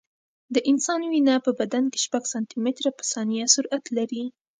د انسان وینه په بدن کې شپږ سانتي متره په ثانیه سرعت لري.